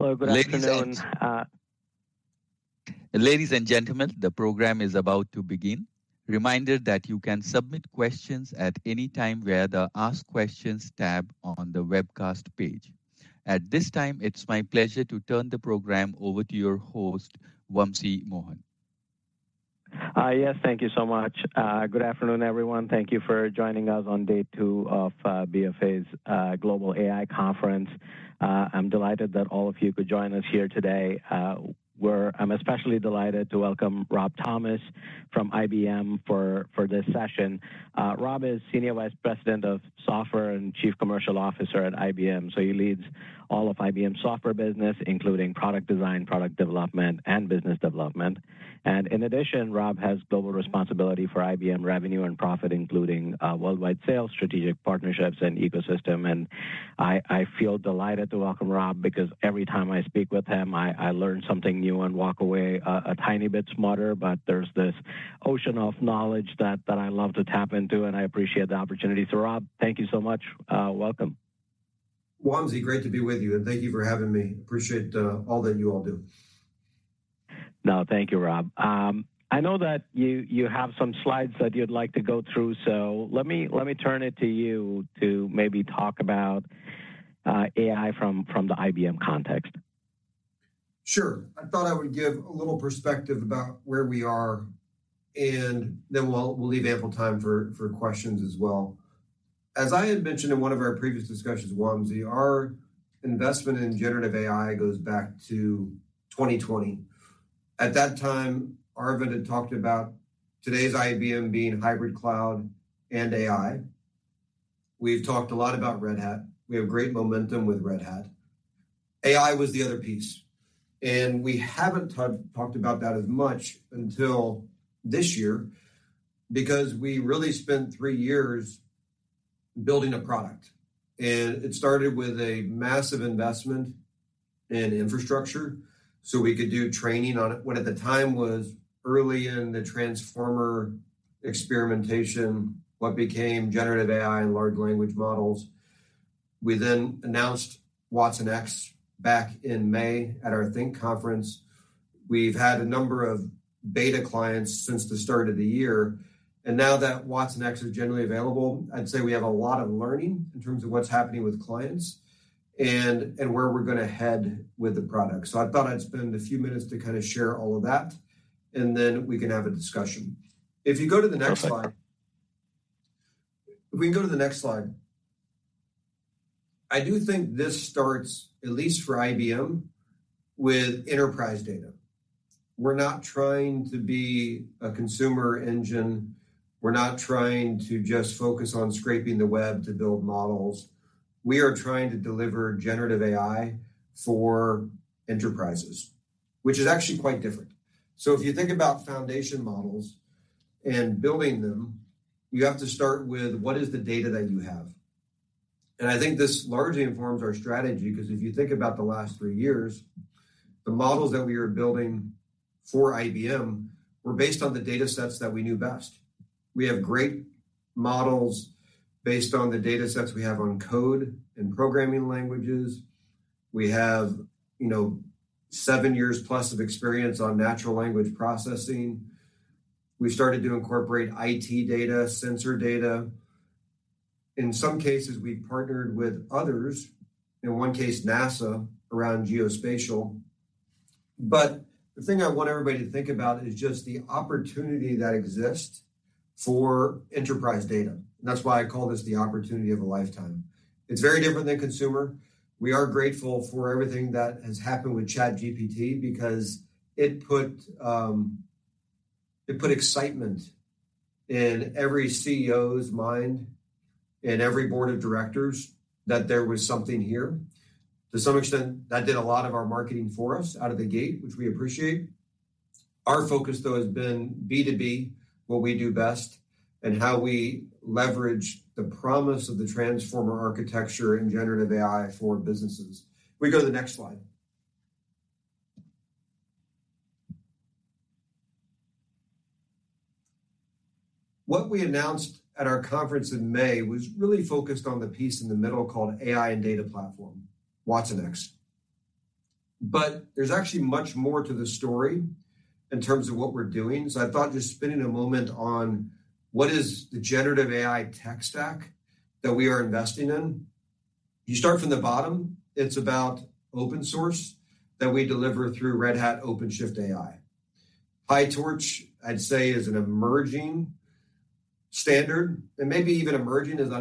Hello, good afternoon, ladies and gentlemen, the program is about to begin. Reminder that you can submit questions at any time via the Ask Questions tab on the webcast page. At this time, it's my pleasure to turn the program over to your host, Wamsi Mohan. Yes, thank you so much. Good afternoon, everyone. Thank you for joining us on day two of BofA's Global AI Conference. I'm delighted that all of you could join us here today. I'm especially delighted to welcome Rob Thomas from IBM for this session. Rob is Senior Vice President of Software and Chief Commercial Officer at IBM. So he leads all of IBM's software business, including product design, product development, and business development. And in addition, Rob has global responsibility for IBM revenue and profit, including worldwide sales, strategic partnerships, and ecosystem. And I feel delighted to welcome Rob because every time I speak with him, I learn something new and walk away a tiny bit smarter. But there's this ocean of knowledge that I love to tap into, and I appreciate the opportunity. So, Rob, thank you so much. Welcome. Wamsi, great to be with you, and thank you for having me. Appreciate, all that you all do. Now, thank you, Rob. I know that you, you have some slides that you'd like to go through, so let me, let me turn it to you to maybe talk about AI from, from the IBM context. Sure. I thought I would give a little perspective about where we are, and then we'll, we'll leave ample time for, for questions as well. As I had mentioned in one of our previous discussions, Wamsi, our investment in generative AI goes back to 2020. At that time, Arvind had talked about today's IBM being hybrid cloud and AI. We've talked a lot about Red Hat. We have great momentum with Red Hat. AI was the other piece, and we haven't talked, talked about that as much until this year, because we really spent three years building a product. And it started with a massive investment in infrastructure, so we could do training on it. What at the time was early in the transformer experimentation, what became generative AI and large language models. We then announced watsonx back in May at our Think Conference. We've had a number of beta clients since the start of the year, and now that watsonx is generally available, I'd say we have a lot of learning in terms of what's happening with clients and where we're gonna head with the product. So I thought I'd spend a few minutes to share all of that, and then we can have a discussion. If you go to the next slide. We can go to the next slide. I do think this starts, at least for IBM, with enterprise data. We're not trying to be a consumer engine. We're not trying to just focus on scraping the web to build models. We are trying to deliver generative AI for enterprises, which is actually quite different. So if you think about foundation models and building them, you have to start with: what is the data that you have? I think this largely informs our strategy, because if you think about the last three years, the models that we are building for IBM were based on the data sets that we knew best. We have great models based on the data sets we have on code and programming languages. We have, you know, seven years plus of experience on natural language processing. We started to incorporate IT data, sensor data. In some cases, we partnered with others, in one case, NASA, around geospatial. But the thing I want everybody to think about is just the opportunity that exists for enterprise data. That's why I call this the opportunity of a lifetime. It's very different than consumer. We are grateful for everything that has happened with ChatGPT because it put, it put excitement in every CEO's mind and every board of directors that there was something here. To some extent, that did a lot of our marketing for us out of the gate, which we appreciate. Our focus, though, has been B2B, what we do best, and how we leverage the promise of the Transformer architecture and generative AI for businesses. We go to the next slide. What we announced at our conference in May was really focused on the piece in the middle called AI and Data Platform, watsonx. But there's actually much more to the story in terms of what we're doing. So I thought just spending a moment on what is the generative AI tech stack that we are investing in. You start from the bottom, it's about open source that we deliver through Red Hat OpenShift AI. PyTorch, I'd say, is an emerging standard, and maybe even emerging is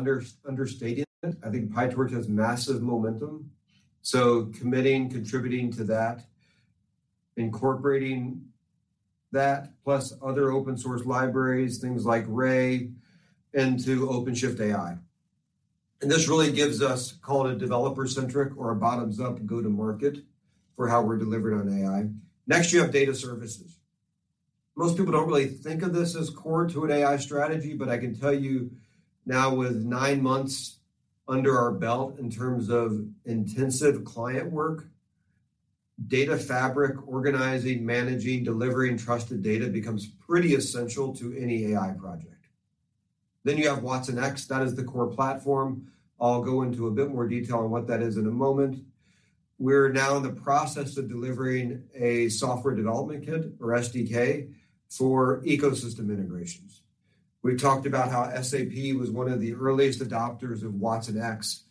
understating it. I think PyTorch has massive momentum, so committing, contributing to that, incorporating that, plus other open source libraries, things like Ray, into OpenShift AI. And this really gives us, call it, a developer-centric or a bottoms-up go-to-market for how we're delivering on AI. Next, you have data services. Most people don't really think of this as core to an AI strategy, but I can tell you now with nine months under our belt in terms of intensive client work, data fabric, organizing, managing, delivering trusted data becomes pretty essential to any AI project. Then you have watsonx, that is the core platform. I'll go into a bit more detail on what that is in a moment. We're now in the process of delivering a software development kit, or SDK, for ecosystem integrations. We've talked about how SAP was one of the earliest adopters of watsonx,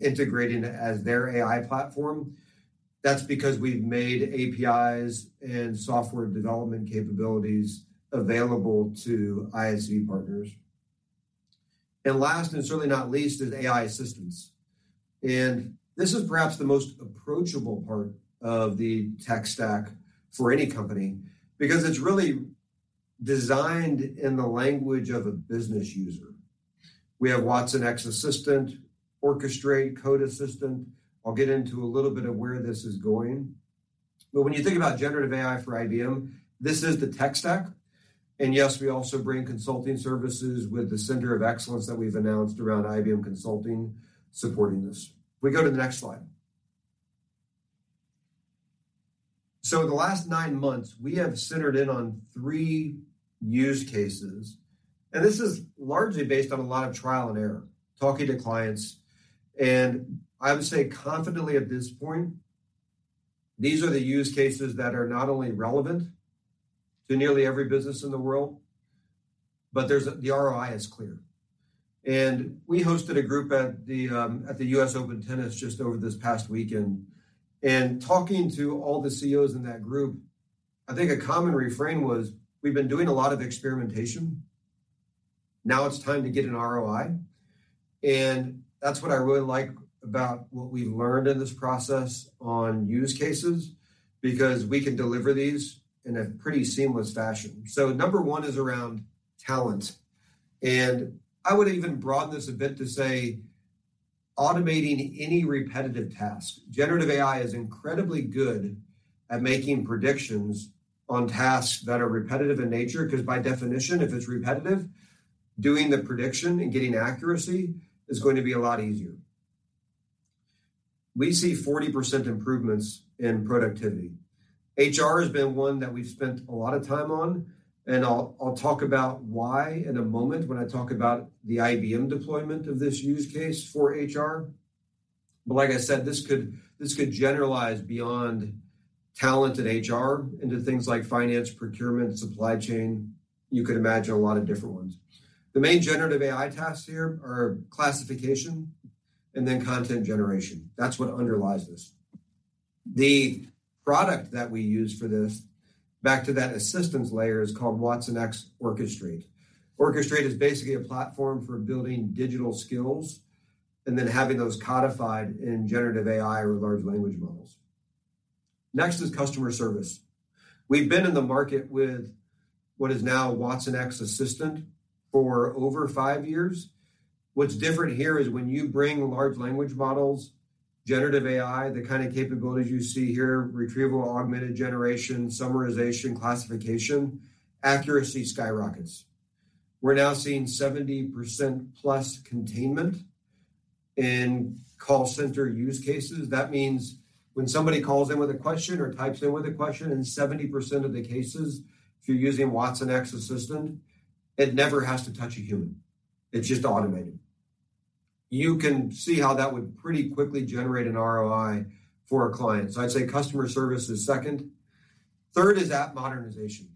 integrating it as their AI platform. That's because we've made APIs and software development capabilities available to ISV partners. And last, and certainly not least, is AI assistance. And this is perhaps the most approachable part of the tech stack for any company because it's really designed in the language of a business user. We have watsonx Assistant, watsonx Orchestrate, watsonx Code Assistant. I'll get into a little bit of where this is going, but when you think about generative AI for IBM, this is the tech stack. And yes, we also bring consulting services with the Center of Excellence that we've announced around IBM Consulting supporting this. We go to the next slide. So in the last nine months, we have centered in on three use cases, and this is largely based on a lot of trial and error, talking to clients, and I would say confidently at this point, these are the use cases that are not only relevant to nearly every business in the world, but there's a—the ROI is clear. We hosted a group at the at the U.S. Open Tennis just over this past weekend, and talking to all the CEOs in that group, I think a common refrain was, "We've been doing a lot of experimentation. Now it's time to get an ROI." That's what I really like about what we learned in this process on use cases, because we can deliver these in a pretty seamless fashion. So number one is around talent, and I would even broaden this a bit to say automating any repetitive task. Generative AI is incredibly good at making predictions on tasks that are repetitive in nature, 'cause by definition, if it's repetitive, doing the prediction and getting accuracy is going to be a lot easier. We see 40% improvements in productivity. HR has been one that we've spent a lot of time on, and I'll, I'll talk about why in a moment when I talk about the IBM deployment of this use case for HR. But like I said, this could, this could generalize beyond talent and HR into things like finance, procurement, supply chain. You could imagine a lot of different ones. The main generative AI tasks here are classification and then content generation. That's what underlies this. The product that we use for this, back to that assistance layer, is called watsonx Orchestrate. Orchestrate is basically a platform for building digital skills and then having those codified in generative AI or large language models. Next is customer service. We've been in the market with what is now watsonx Assistant for over five years. What's different here is when you bring large language models, generative AI, the kind of capabilities you see here, retrieval, augmented generation, summarization, classification, accuracy skyrockets. We're now seeing 70% plus containment in call center use cases. That means when somebody calls in with a question or types in with a question, in 70% of the cases, if you're using watsonx Assistant, it never has to touch a human. It's just automated. You can see how that would pretty quickly generate an ROI for a client. So I'd say customer service is second. Third is app modernization,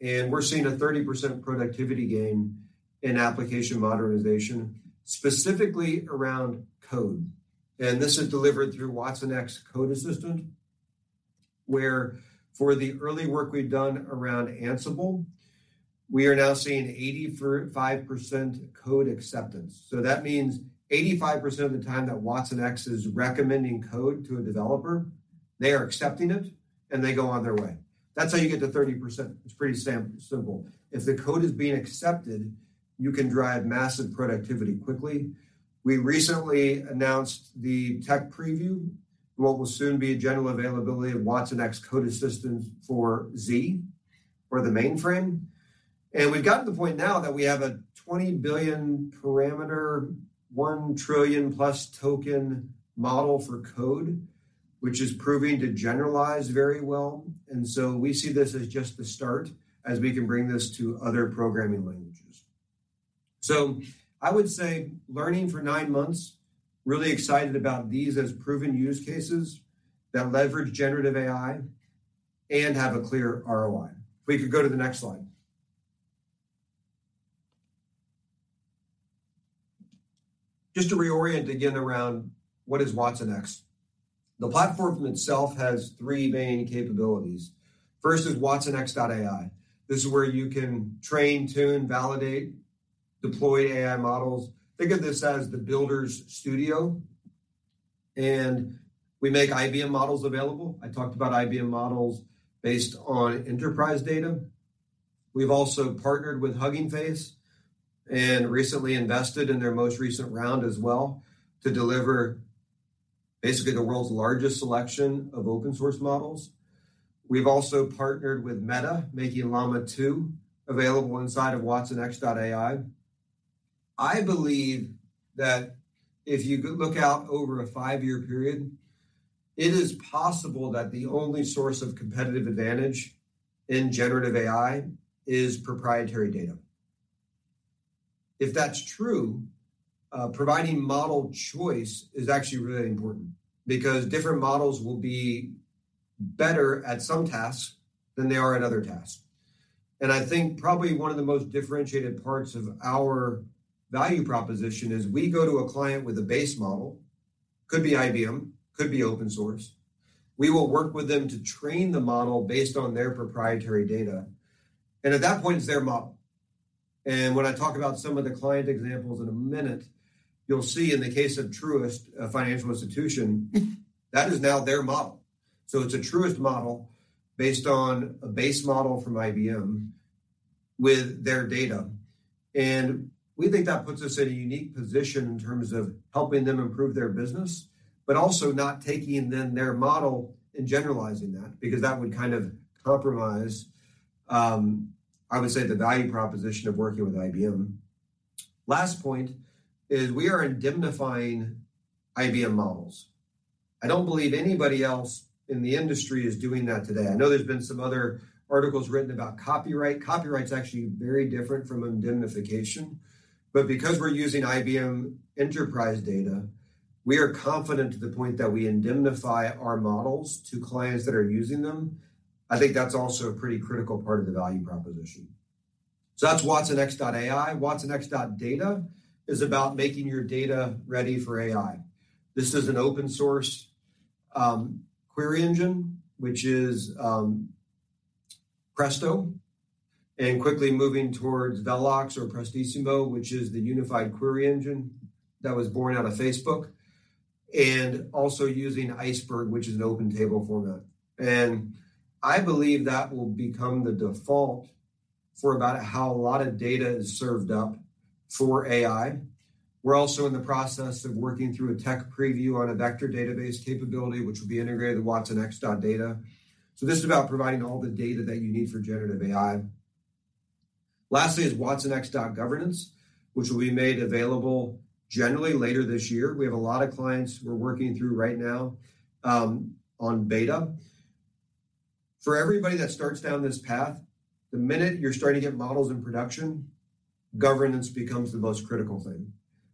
and we're seeing a 30% productivity gain in application modernization, specifically around code. And this is delivered through watsonx Code Assistant, where for the early work we've done around Ansible, we are now seeing 85% code acceptance. So that means 85% of the time that watsonx is recommending code to a developer, they are accepting it, and they go on their way. That's how you get to 30%. It's pretty simple. If the code is being accepted, you can drive massive productivity quickly. We recently announced the tech preview, what will soon be a general availability of watsonx Code Assistant for Z or the mainframe. And we've gotten to the point now that we have a 20 billion parameter, 1 trillion-plus token model for code, which is proving to generalize very well, and so we see this as just the start as we can bring this to other programming languages. So I would say learning for 9 months, really excited about these as proven use cases that leverage generative AI and have a clear ROI. If we could go to the next slide. Just to reorient again around what is watsonx? The platform itself has three main capabilities. First is watsonx.ai. This is where you can train, tune, validate, deploy AI models. Think of this as the builder's studio, and we make IBM models available. I talked about IBM models based on enterprise data. We've also partnered with Hugging Face and recently invested in their most recent round as well to deliver basically the world's largest selection of open source models. We've also partnered with Meta, making Llama 2 available inside of watsonx.ai. I believe that if you look out over a five-year period, it is possible that the only source of competitive advantage in generative AI is proprietary data. If that's true, providing model choice is actually really important because different models will be better at some tasks than they are at other tasks. And I think probably one of the most differentiated parts of our value proposition is we go to a client with a base model, could be IBM, could be open source. We will work with them to train the model based on their proprietary data, and at that point, it's their model. And when I talk about some of the client examples in a minute, you'll see in the case of Truist, a financial institution, that is now their model. So it's a Truist model based on a base model from IBM with their data, and we think that puts us in a unique position in terms of helping them improve their business, but also not taking then their model and generalizing that, because that would kind of compromise, I would say, the value proposition of working with IBM. Last point is we are indemnifying IBM models. I don't believe anybody else in the industry is doing that today. I know there's been some other articles written about copyright. Copyright is actually very different from indemnification, but because we're using IBM enterprise data, we are confident to the point that we indemnify our models to clients that are using them. I think that's also a pretty critical part of the value proposition. So that's watsonx.ai watsonx.data is about making your data ready for AI. This is an open source query engine, which is Presto and quickly moving towards Velox or Presto, which is the unified query engine that was born out of Facebook, and also using Iceberg, which is an open table format. And I believe that will become the default for about how a lot of data is served up for AI. We're also in the process of working through a tech preview on a vector database capability, which will be integrated with watsonx.data. So this is about providing all the data that you need for generative AI. Lastly is watsonx.governance, which will be made available generally later this year. We have a lot of clients we're working through right now on beta. For everybody that starts down this path, the minute you're starting to get models in production, governance becomes the most critical thing.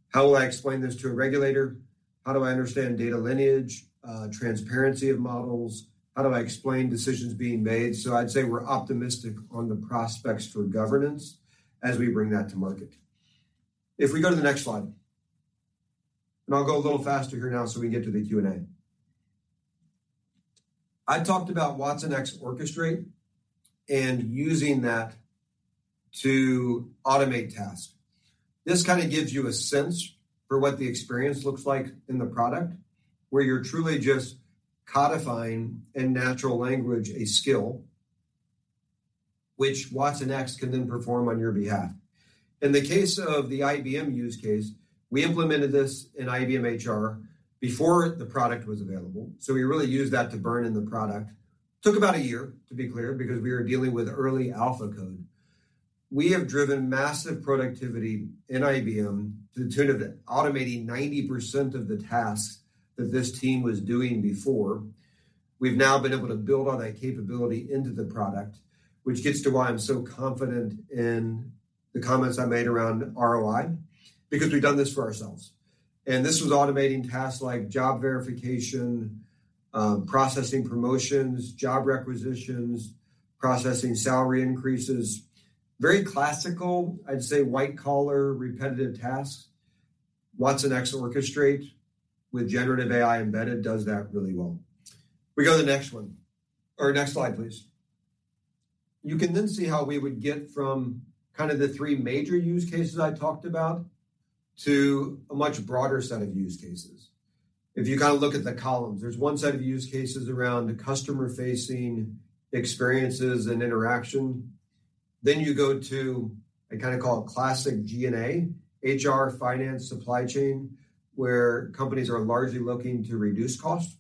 How will I explain this to a regulator? How do I understand data lineage, transparency of models? How do I explain decisions being made? So I'd say we're optimistic on the prospects for governance as we bring that to market. If we go to the next slide, and I'll go a little faster here now so we can get to the Q&A. I talked about watsonx Orchestrate and using that to automate tasks. This kind of gives you a sense for what the experience looks like in the product, where you're truly just codifying in natural language, a skill which watsonx can then perform on your behalf. In the case of the IBM use case, we implemented this in IBM HR before the product was available, so we really used that to burn in the product. Took about a year to be clear, because we were dealing with early alpha code. We have driven massive productivity in IBM to the tune of automating 90% of the tasks that this team was doing before. We've now been able to build on that capability into the product, which gets to why I'm so confident in the comments I made around ROI, because we've done this for ourselves. And this was automating tasks like job verification, processing promotions, job requisitions, processing salary increases. Very classical, I'd say white-collar repetitive tasks. watsonx Orchestrate with generative AI embedded does that really well. We go to the next one or next slide, please. You can then see how we would get from kind of the three major use cases I talked about to a much broader set of use cases. If you kind of look at the columns, there's one set of use cases around customer-facing experiences and interaction. Then you go to, I kind of call it classic G&A, HR, finance, supply chain, where companies are largely looking to reduce cost.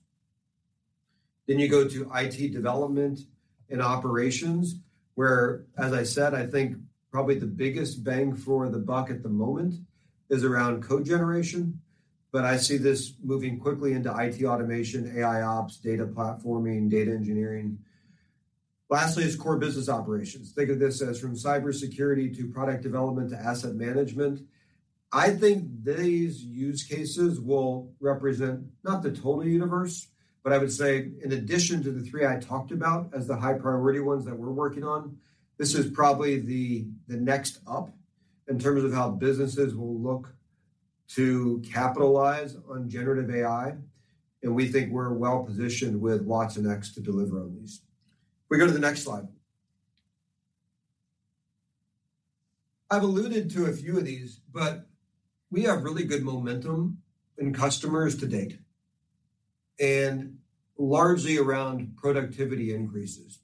Then you go to IT development and operations, where, as I said, I think probably the biggest bang for the buck at the moment is around code generation, but I see this moving quickly into IT automation, AIOps, data platforming, data engineering. Lastly is core business operations. Think of this as from cybersecurity to product development to asset management. I think these use cases will represent not the total universe, but I would say in addition to the three I talked about as the high priority ones that we're working on, this is probably the next up in terms of how businesses will look to capitalize on generative AI, and we think we're well-positioned with watsonx to deliver on these. We go to the next slide. I've alluded to a few of these, but we have really good momentum in customers to date and largely around productivity increases.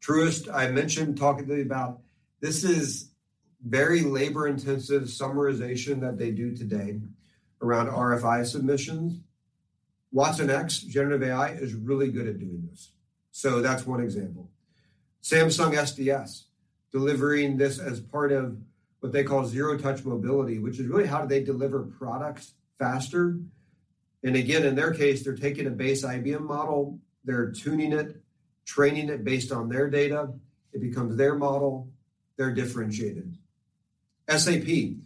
Truist, I mentioned talking to you about... This is very labor-intensive summarization that they do today around RFI submissions... watsonx generative AI is really good at doing this. So that's one example. Samsung SDS, delivering this as part of what they call Zero Touch Mobility, which is really how do they deliver products faster? Again, in their case, they're taking a base IBM model, they're tuning it, training it based on their data. It becomes their model. They're differentiated. SAP,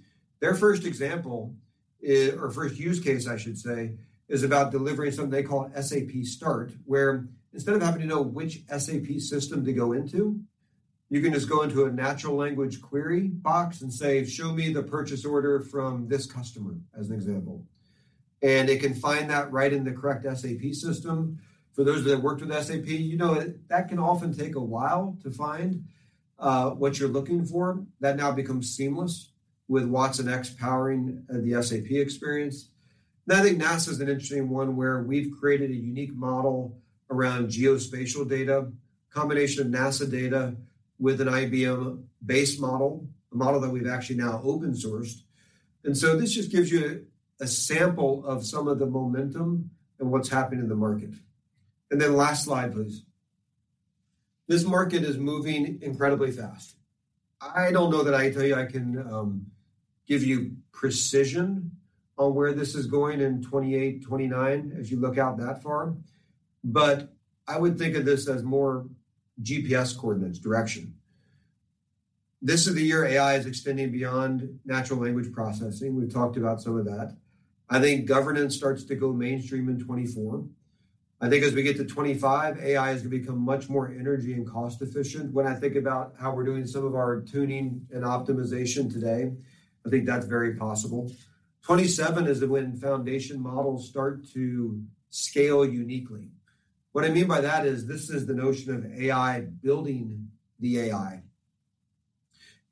their first example is, or first use case, I should say, is about delivering something they call SAP Start, where instead of having to know which SAP system to go into, you can just go into a natural language query box and say, "Show me the purchase order from this customer," as an example. And it can find that right in the correct SAP system. For those that have worked with SAP, you know that can often take a while to find what you're looking for. That now becomes seamless with watsonx powering the SAP experience. And I think NASA is an interesting one, where we've created a unique model around geospatial data, combination of NASA data with an IBM base model, a model that we've actually now open-sourced. And so this just gives you a sample of some of the momentum and what's happening in the market. And then last slide, please. This market is moving incredibly fast. I don't know that I tell you I can, give you precision on where this is going in 2028, 2029 as you look out that far, but I would think of this as more GPS coordinates direction. This is the year AI is extending beyond natural language processing. We've talked about some of that. I think governance starts to go mainstream in 2024. I think as we get to 2025, AI is going to become much more energy and cost efficient. When I think about how we're doing some of our tuning and optimization today, I think that's very possible. 2027 is when foundation models start to scale uniquely. What I mean by that is this is the notion of AI building the AI,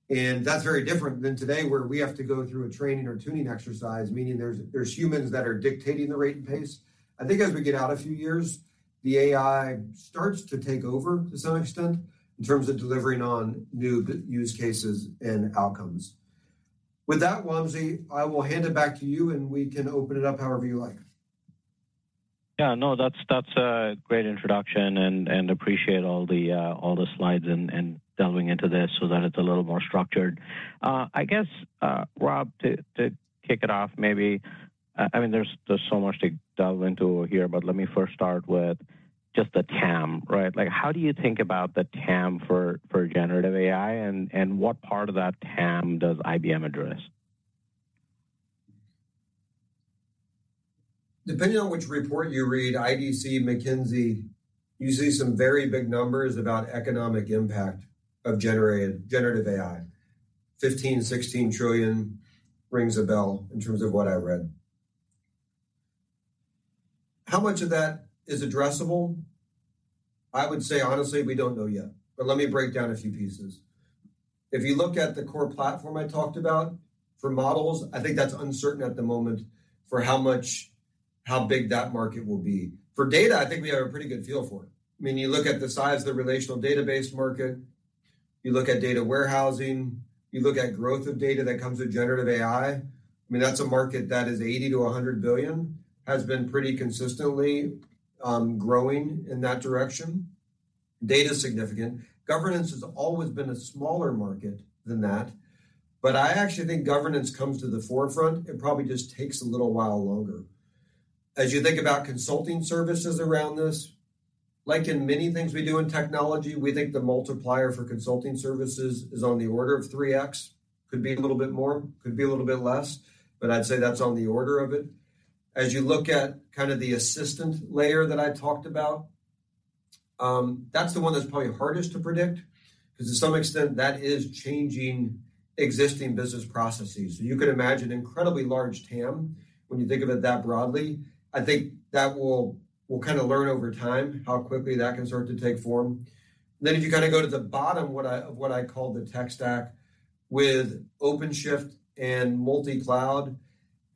and that's very different than today, where we have to go through a training or tuning exercise, meaning there's humans that are dictating the rate and pace. I think as we get out a few years, the AI starts to take over to some extent, in terms of delivering on new use cases and outcomes. With that, Wamsi, I will hand it back to you, and we can open it up however you like. Yeah, no, that's, that's a great introduction and, and appreciate all the, all the slides and, and delving into this so that it's a little more structured. I guess, Rob, to, to kick it off, maybe... I mean, there's, there's so much to delve into here, but let me first start with just the TAM, right? Like, how do you think about the TAM for, for generative AI, and, and what part of that TAM does IBM address? Depending on which report you read, IDC, McKinsey, you see some very big numbers about economic impact of generative AI. $15 trillion-$16 trillion rings a bell in terms of what I read. How much of that is addressable? I would say honestly, we don't know yet, but let me break down a few pieces. If you look at the core platform I talked about for models, I think that's uncertain at the moment for how big that market will be. For data, I think we have a pretty good feel for it. I mean, you look at the size of the relational database market, you look at data warehousing, you look at growth of data that comes with generative AI. I mean, that's a market that is $80 billion-$100 billion, has been pretty consistently growing in that direction. Data is significant. Governance has always been a smaller market than that, but I actually think governance comes to the forefront. It probably just takes a little while longer. As you think about consulting services around this, like in many things we do in technology, we think the multiplier for consulting services is on the order of 3x. Could be a little bit more, could be a little bit less, but I'd say that's on the order of it. As you look at kind of the assistant layer that I talked about, that's the one that's probably hardest to predict, 'cause to some extent that is changing existing business processes. So you could imagine incredibly large TAM when you think about it that broadly. I think that we'll, we'll kind of learn over time how quickly that can start to take form. Then, if you kind of go to the bottom, what I call the tech stack with OpenShift and multicloud,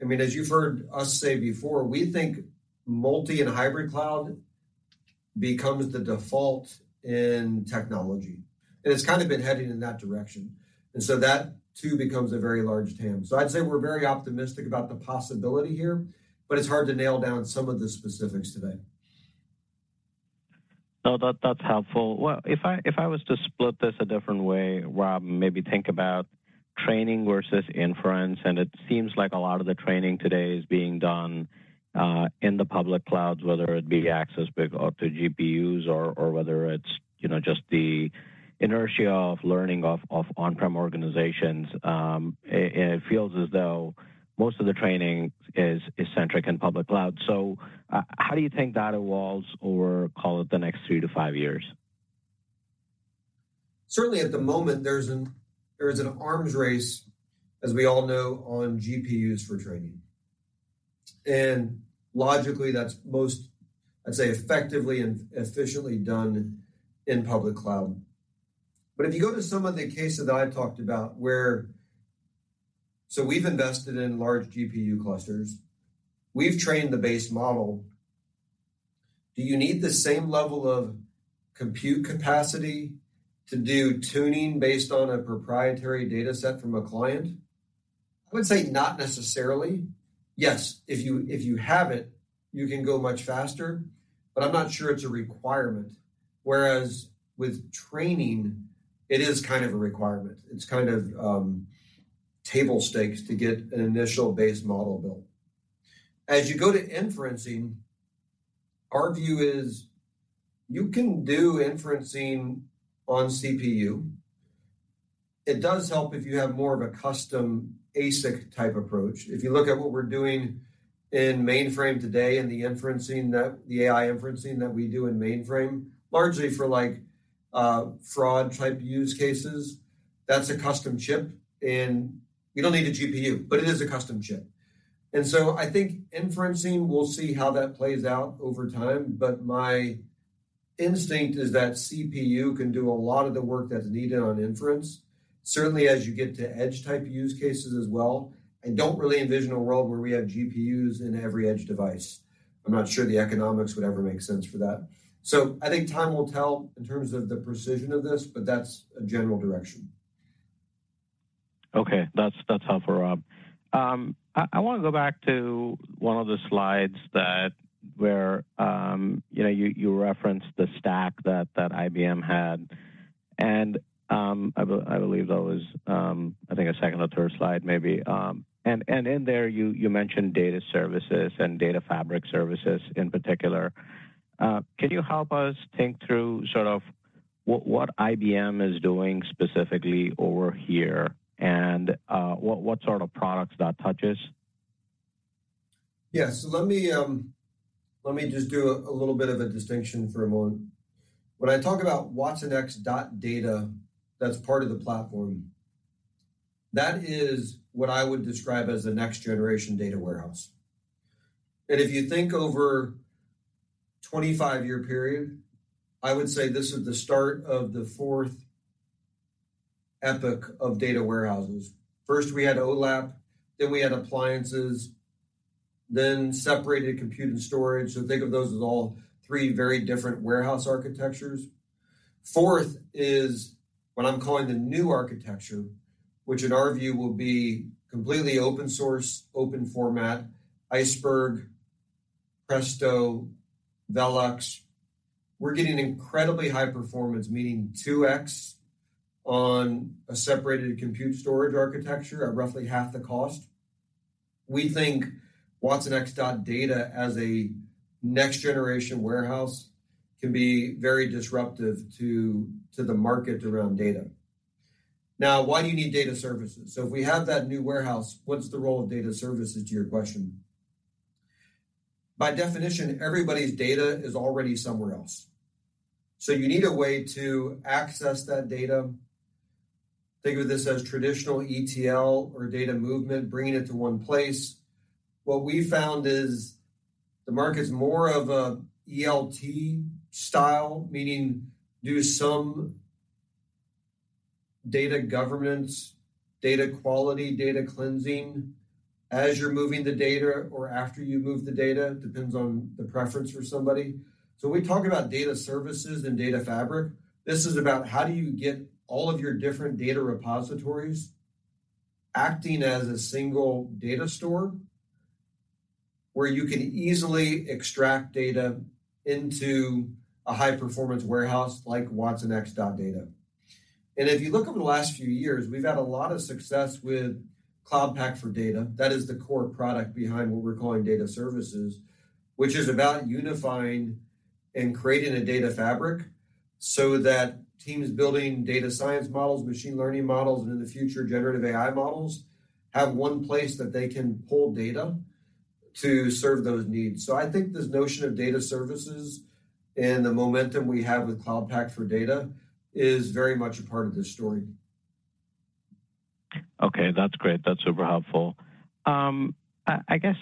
I mean, as you've heard us say before, we think multi- and hybrid cloud becomes the default in technology, and it's kind of been heading in that direction, and so that too becomes a very large TAM. So I'd say we're very optimistic about the possibility here, but it's hard to nail down some of the specifics today. No, that, that's helpful. Well, if I was to split this a different way, Rob, maybe think about training versus inference, and it seems like a lot of the training today is being done in the public clouds, whether it be access to GPUs or whether it's, you know, just the inertia of learning of on-prem organizations. And it feels as though most of the training is centric in public cloud. So how do you think that evolves over, call it, the next three to five years? Certainly at the moment, there's an arms race, as we all know, on GPUs for training. Logically, that's most, I'd say, effectively and efficiently done in public cloud. If you go to some of the cases that I talked about where… We've invested in large GPU clusters. We've trained the base model… Do you need the same level of compute capacity to do tuning based on a proprietary data set from a client? I would say not necessarily. Yes, if you have it, you can go much faster, but I'm not sure it's a requirement. Whereas with training, it is kind of a requirement. It's kind of table stakes to get an initial base model built. As you go to inferencing, our view is you can do inferencing on CPU. It does help if you have more of a custom ASIC-type approach. If you look at what we're doing in mainframe today and the AI inferencing that we do in mainframe, largely for like, fraud-type use cases, that's a custom chip, and you don't need a GPU, but it is a custom chip. And so I think inferencing, we'll see how that plays out over time, but my instinct is that CPU can do a lot of the work that's needed on inference. Certainly, as you get to edge-type use cases as well. I don't really envision a world where we have GPUs in every edge device. I'm not sure the economics would ever make sense for that. So I think time will tell in terms of the precision of this, but that's a general direction. Okay. That's, that's helpful, Rob. I wanna go back to one of the slides that where you know you referenced the stack that IBM had, and I believe that was, I think the second or third slide maybe. And in there you mentioned data services and data fabric services in particular. Can you help us think through sort of what what IBM is doing specifically over here and what sort of products that touches? Yes. So let me let me just do a a little bit of a distinction for a moment. When I talk about watsonx.data, that's part of the platform. That is what I would describe as the next generation data warehouse. And if you think over 25-year period, I would say this is the start of the fourth epoch of data warehouses. First, we had OLAP, then we had appliances, then separated compute and storage. So think of those as all three very different warehouse architectures. Fourth is what I'm calling the new architecture, which in our view, will be completely open source, open format, Iceberg, Presto, Velox. We're getting incredibly high performance, meaning 2x on a separated compute storage architecture at roughly half the cost. We think watsonx.data as a next generation warehouse can be very disruptive to the market around data. Now, why do you need data services? So if we have that new warehouse, what's the role of data services to your question? By definition, everybody's data is already somewhere else, so you need a way to access that data. Think of this as traditional ETL or data movement, bringing it to one place. What we found is the market's more of a ELT style, meaning do some data governance, data quality, data cleansing as you're moving the data or after you move the data, depends on the preference for somebody. So when we talk about data services and data fabric, this is about how do you get all of your different data repositories acting as a single data store, where you can easily extract data into a high-performance warehouse like watsonx.data. If you look over the last few years, we've had a lot of success with Cloud Pak for Data. That is the core product behind what we're calling data services, which is about unifying and creating a data fabric so that teams building data science models, machine learning models, and in the future, generative AI models, have one place that they can pull data to serve those needs. I think this notion of data services and the momentum we have with Cloud Pak for Data is very much a part of this story. Okay, that's great. That's super helpful. I guess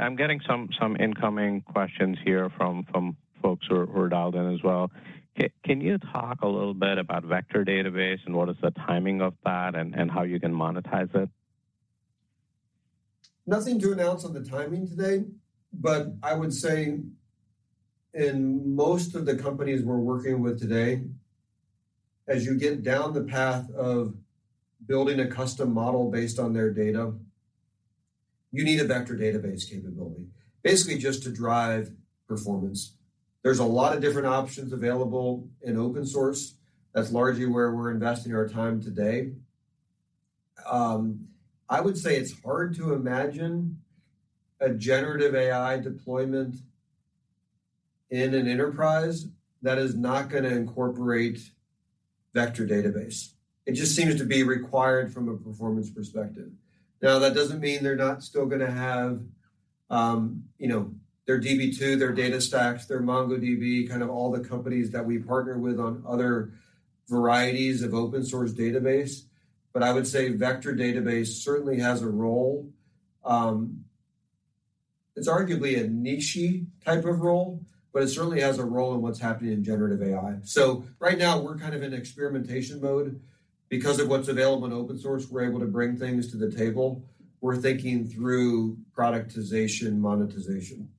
I'm getting some incoming questions here from folks who are dialed in as well. Can you talk a little bit about Vector database and what is the timing of that, and how you can monetize it? Nothing to announce on the timing today, but I would say in most of the companies we're working with today, as you get down the path of building a custom model based on their data, you need a vector database capability, basically just to drive performance. There's a lot of different options available in open source. That's largely where we're investing our time today. I would say it's hard to imagine a generative AI deployment in an enterprise that is not gonna incorporate vector database. It just seems to be required from a performance perspective. Now, that doesn't mean they're not still gonna have, you know, their Db2, their DataStax, their MongoDB, kind of all the companies that we partner with on other varieties of open source database. But I would say vector database certainly has a role. It's arguably a niche-y type of role, but it certainly has a role in what's happening in generative AI. So right now, we're kind of in experimentation mode. Because of what's available in open source, we're able to bring things to the table. We're thinking through productization, monetization.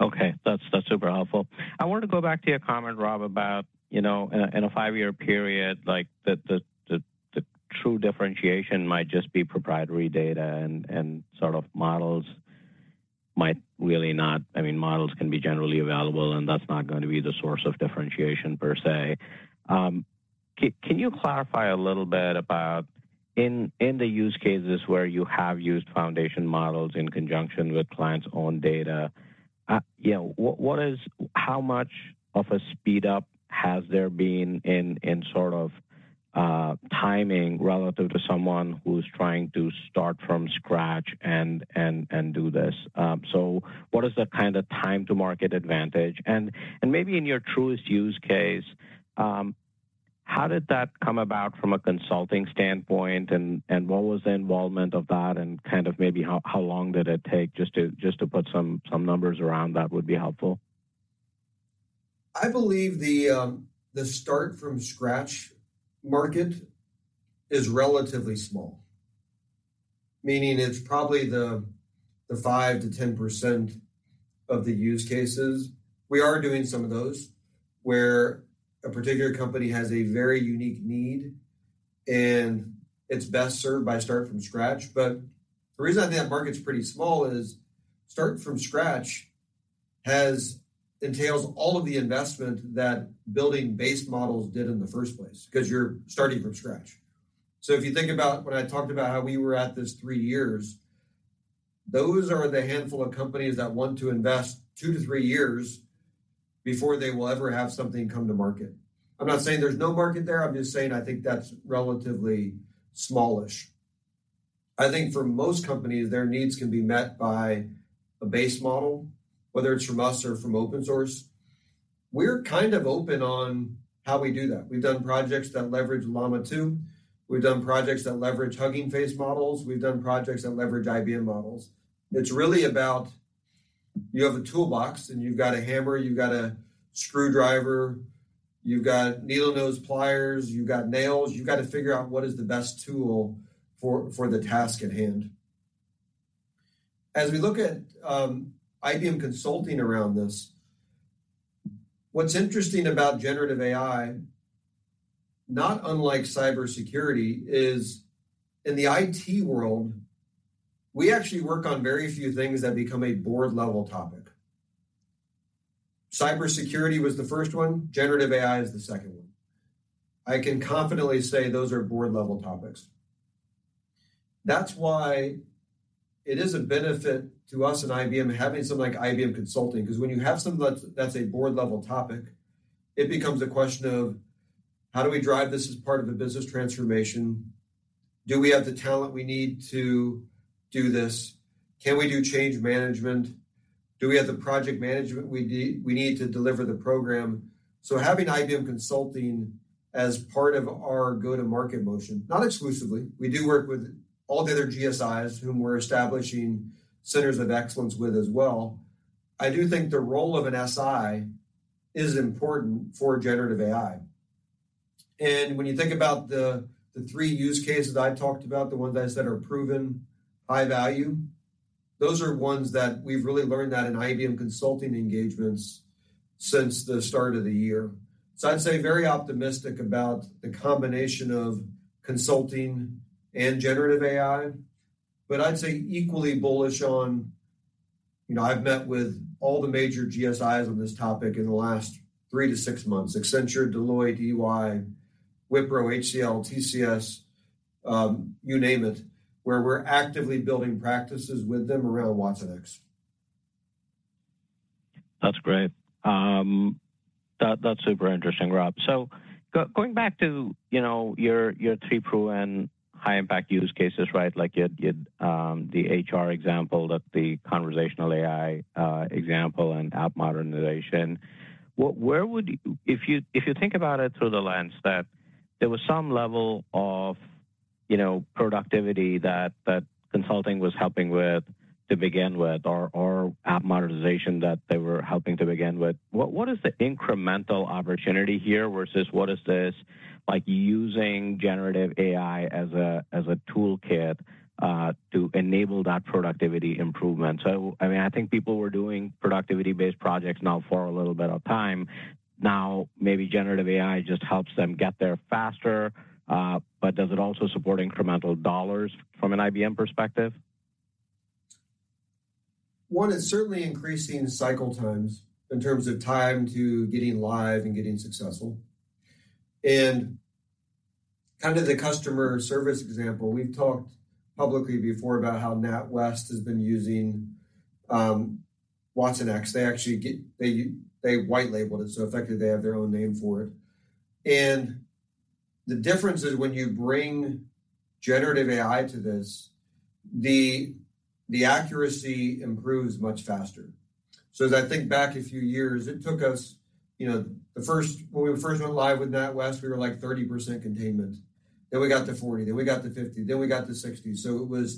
Okay, that's super helpful. I wanted to go back to your comment, Rob, about, you know, in a five-year period, like, the true differentiation might just be proprietary data and sort of models might really not- I mean, models can be generally available, and that's not going to be the source of differentiation per se. Can you clarify a little bit about in the use cases where you have used foundation models in conjunction with clients' own data, you know, what is- how much of a speed up has there been in sort of timing relative to someone who's trying to start from scratch and do this? So what is the kind of time to market advantage? And maybe in your truest use case, how did that come about from a consulting standpoint? And what was the involvement of that, and kind of maybe how long did it take? Just to put some numbers around that would be helpful. I believe the start from scratch market is relatively small. Meaning it's probably the 5%-10% of the use cases. We are doing some of those, where a particular company has a very unique need, and it's best served by start from scratch. But the reason I think that market's pretty small is start from scratch entails all of the investment that building base models did in the first place, because you're starting from scratch. So if you think about when I talked about how we were at this three years, those are the handful of companies that want to invest two to three years before they will ever have something come to market. I'm not saying there's no market there. I'm just saying I think that's relatively smallish. I think for most companies, their needs can be met by a base model, whether it's from us or from open source. We're kind of open on how we do that. We've done projects that leverage Llama 2. We've done projects that leverage Hugging Face models. We've done projects that leverage IBM models. It's really about you have a toolbox, and you've got a hammer, you've got a screwdriver, you've got needle-nose pliers, you've got nails. You've got to figure out what is the best tool for the task at hand. As we look at IBM Consulting around this, what's interesting about generative AI, not unlike cybersecurity, is in the IT world, we actually work on very few things that become a board-level topic. Cybersecurity was the first one. Generative AI is the second one. I can confidently say those are board-level topics. That's why it is a benefit to us at IBM having something like IBM Consulting, because when you have something that's a board-level topic, it becomes a question of: how do we drive this as part of a business transformation? Do we have the talent we need to do this? Can we do change management? Do we have the project management we need to deliver the program? So having IBM Consulting as part of our go-to-market motion, not exclusively, we do work with all the other GSIs, whom we're establishing centers of excellence with as well. I do think the role of an SI is important for generative AI. When you think about the three use cases I talked about, the ones that I said are proven high value, those are ones that we've really learned that in IBM Consulting engagements since the start of the year. So I'd say very optimistic about the combination of consulting and generative AI, but I'd say equally bullish on... You know, I've met with all the major GSIs on this topic in the last three to six months: Accenture, Deloitte, EY, Wipro, HCL, TCS, you name it, where we're actively building practices with them around watsonx. That's great. That's super interesting, Rob. So going back to, you know, your three proven high impact use cases, right? Like your HR example, the conversational AI example, and app modernization. Where would-- If you think about it through the lens that there was some level of, you know, productivity that consulting was helping with to begin with or app modernization that they were helping to begin with, what is the incremental opportunity here versus what is this, like, using generative AI as a toolkit to enable that productivity improvement? So, I mean, I think people were doing productivity-based projects now for a little bit of time. Now, maybe generative AI just helps them get there faster, but does it also support incremental dollars from an IBM perspective? One, it's certainly increasing cycle times in terms of time to getting live and getting successful. Kind of the customer service example, we've talked publicly before about how NatWest has been using watsonx. They actually white labeled it, so effectively they have their own name for it. The difference is when you bring generative AI to this, the accuracy improves much faster. As I think back a few years, it took us, you know, the first, when we first went live with NatWest, we were, like, 30% containment. Then we got to 40%, then we got to 50%, then we got to 60%.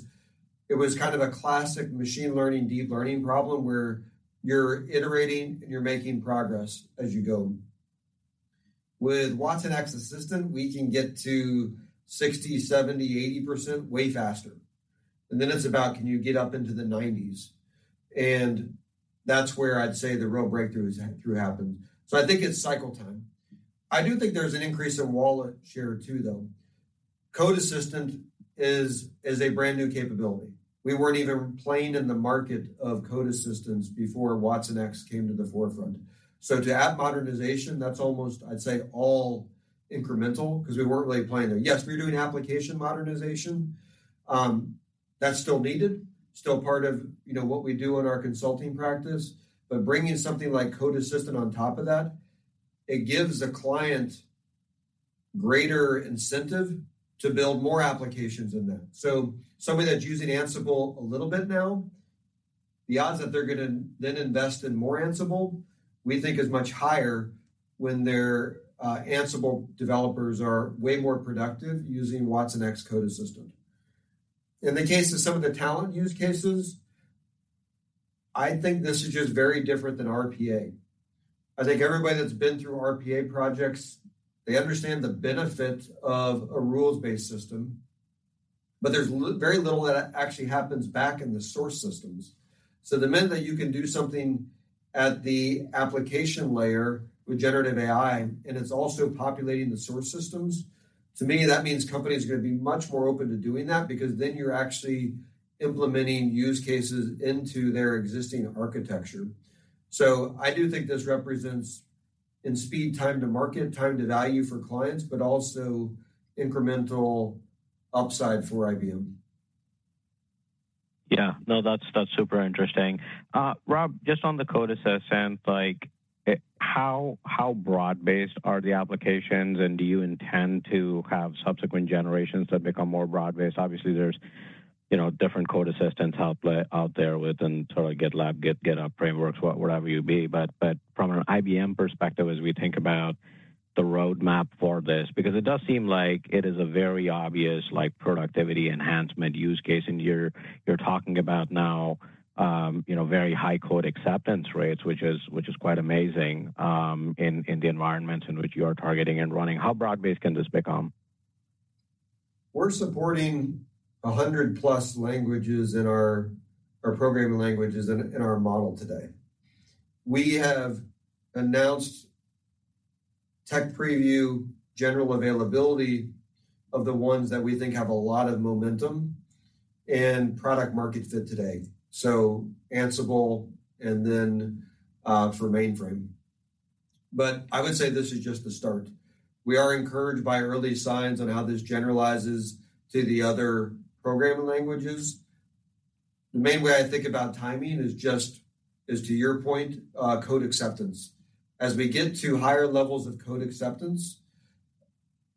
It was kind of a classic machine learning, deep learning problem, where you're iterating and you're making progress as you go. With watsonx Assistant, we can get to 60, 70, 80% way faster. Then it's about can you get up into the 90s? And that's where I'd say the real breakthrough is through happens. So I think it's cycle time. I do think there's an increase in wallet share, too, though. Code Assistant is a brand new capability. We weren't even playing in the market of code assistants before watsonx came to the forefront. So to add modernization, that's almost, I'd say, all incremental because we weren't really playing there. Yes, we were doing application modernization. That's still needed, still part of, you know, what we do in our consulting practice. But bringing something like Code Assistant on top of that, it gives the client greater incentive to build more applications in that. So somebody that's using Ansible a little bit now, the odds that they're gonna then invest in more Ansible, we think is much higher when their Ansible developers are way more productive using watsonx Code Assistant. In the case of some of the talent use cases, I think this is just very different than RPA. I think everybody that's been through RPA projects, they understand the benefit of a rules-based system, but there's very little that actually happens back in the source systems. So the minute that you can do something at the application layer with generative AI, and it's also populating the source systems, to me, that means companies are going to be much more open to doing that because then you're actually implementing use cases into their existing architecture. I do think this represents in speed, time to market, time to value for clients, but also incremental upside for IBM. Yeah. No, that's, that's super interesting. Rob, just on the code assistant, like, how broad-based are the applications, and do you intend to have subsequent generations that become more broad-based? Obviously, there's, you know, different code assistants out there within sort of GitLab, GitHub frameworks, whatever you be. But from an IBM perspective, as we think about the roadmap for this, because it does seem like it is a very obvious like productivity enhancement use case, and you're talking about now, you know, very high code acceptance rates, which is quite amazing in the environments in which you are targeting and running. How broad-based can this become? We're supporting 100+ languages in our or programming languages in our model today. We have announced tech preview, general availability of the ones that we think have a lot of momentum and product-market fit today. So Ansible and then for mainframe. But I would say this is just the start. We are encouraged by early signs on how this generalizes to the other programming languages. The main way I think about timing is just, as to your point, code acceptance. As we get to higher levels of code acceptance,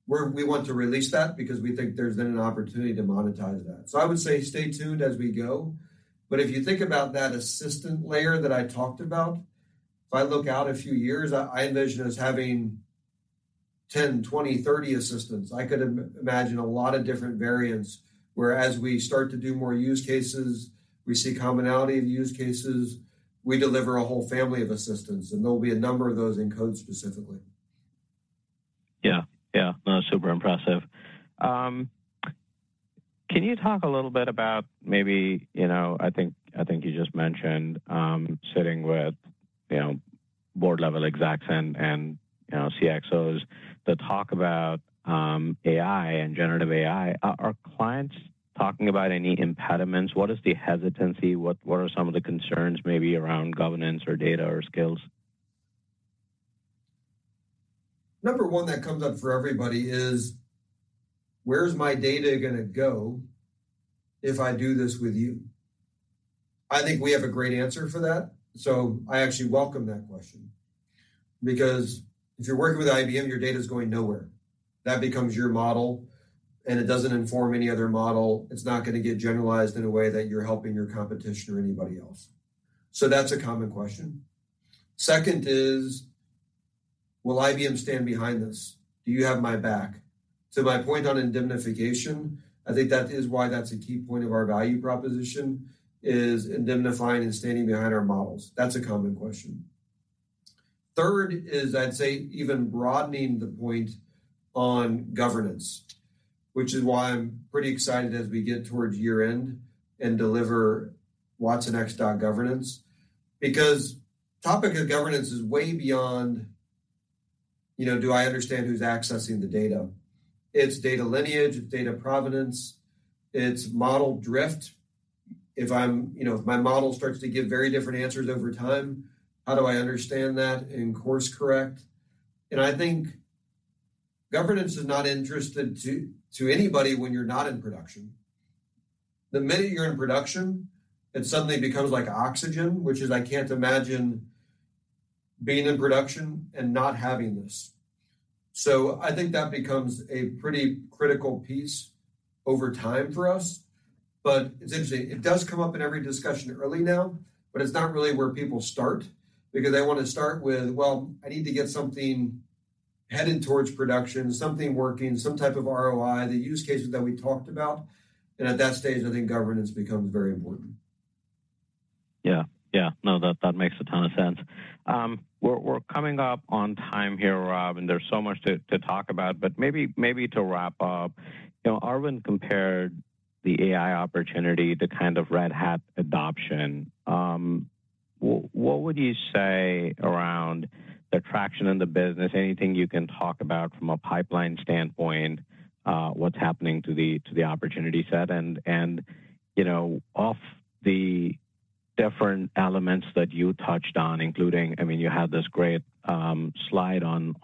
we want to release that because we think there's then an opportunity to monetize that. So I would say stay tuned as we go. But if you think about that assistant layer that I talked about, if I look out a few years, I envision us having 10, 20, 30 assistants. I could imagine a lot of different variants whereas we start to do more use cases, we see commonality in the use cases, we deliver a whole family of assistants, and there will be a number of those in code specifically. Yeah, yeah. No, super impressive. Can you talk a little bit about maybe, you know... I think, I think you just mentioned sitting with, you know, board-level execs and, and, you know, CXOs to talk about AI and generative AI. Are clients talking about any impediments? What is the hesitancy? What are some of the concerns maybe around governance or data or skills? Number one that comes up for everybody is: where's my data gonna go if I do this with you? I think we have a great answer for that, so I actually welcome that question. Because if you're working with IBM, your data is going nowhere. That becomes your model, and it doesn't inform any other model. It's not gonna get generalized in a way that you're helping your competition or anybody else. So that's a common question. Second is: will IBM stand behind this? Do you have my back? So my point on indemnification, I think that is why that's a key point of our value proposition, is indemnifying and standing behind our models. That's a common question. Third is, I'd say, even broadening the point on governance, which is why I'm pretty excited as we get towards year-end and deliver watsonx.governance. Because the topic of governance is way beyond, you know, do I understand who's accessing the data? It's data lineage, it's data provenance, it's model drift. If I'm—you know—if my model starts to give very different answers over time, how do I understand that and course correct? And I think governance is not interesting to, to anybody when you're not in production. The minute you're in production, it suddenly becomes like oxygen, which is I can't imagine being in production and not having this. So I think that becomes a pretty critical piece over time for us. But it's interesting. It does come up in every discussion early now, but it's not really where people start because they want to start with, "Well, I need to get something headed towards production, something working, some type of ROI," the use cases that we talked about. At that stage, I think governance becomes very important. Yeah, yeah. No, that makes a ton of sense. We're coming up on time here, Rob, and there's so much to talk about, but maybe to wrap up. You know, Arvind compared the AI opportunity to kind of Red Hat adoption. What would you say around the traction in the business? Anything you can talk about from a pipeline standpoint, what's happening to the opportunity set? And you know, of the different elements that you touched on, including I mean, you had this great slide on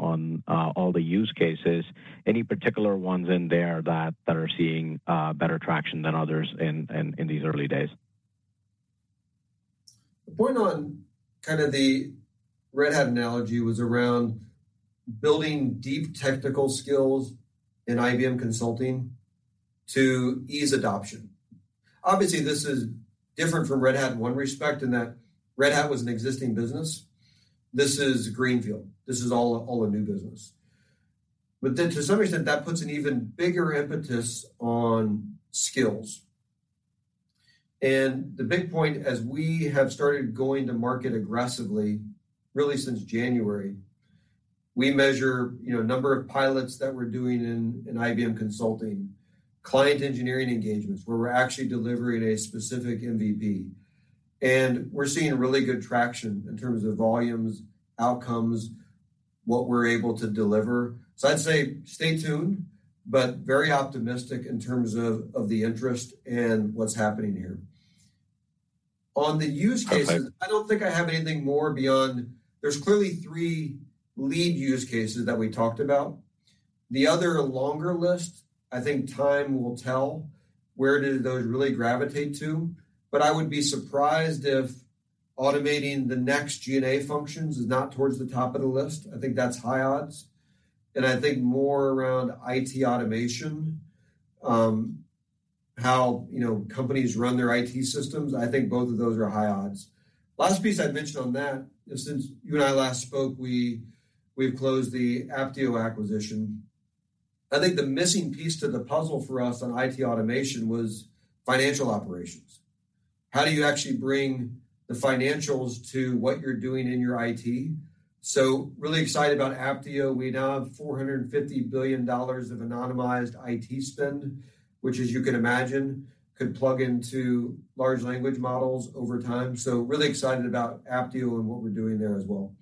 all the use cases, any particular ones in there that are seeing better traction than others in these early days? The point on kind of the Red Hat analogy was around building deep technical skills in IBM Consulting to ease adoption. Obviously, this is different from Red Hat in one respect, in that Red Hat was an existing business. This is greenfield. This is all, all a new business. But then to some extent, that puts an even bigger impetus on skills. And the big point, as we have started going to market aggressively, really since January, we measure, you know, number of pilots that we're doing in, in IBM Consulting, client engineering engagements, where we're actually delivering a specific MVP. And we're seeing really good traction in terms of volumes, outcomes, what we're able to deliver. So I'd say stay tuned, but very optimistic in terms of, of the interest and what's happening here. On the use cases, I don't think I have anything more beyond. There's clearly three lead use cases that we talked about. The other longer list, I think time will tell where do those really gravitate to, but I would be surprised if automating the next G&A functions is not towards the top of the list. I think that's high odds, and I think more around IT automation, how, you know, companies run their IT systems. I think both of those are high odds. Last piece I'd mention on that, is since you and I last spoke, we've closed the Apptio acquisition. I think the missing piece to the puzzle for us on IT automation was financial operations. How do you actually bring the financials to what you're doing in your IT? So really excited about Apptio. We now have $450 billion of anonymized IT spend, which, as you can imagine, could plug into large language models over time. So really excited about Apptio and what we're doing there as well.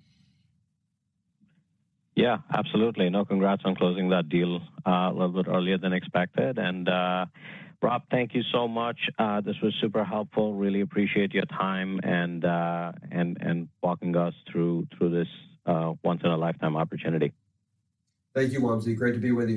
Yeah, absolutely. No, congrats on closing that deal a little bit earlier than expected. Rob, thank you so much. This was super helpful. Really appreciate your time and walking us through this once in a lifetime opportunity. Thank you, Wamsi. Great to be with you.